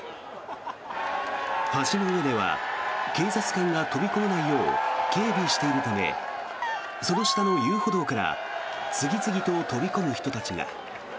橋の上では警察官が飛び込めないよう警備しているためその下の遊歩道から次々と飛び込む人たちが。